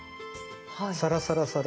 サラサラサラ。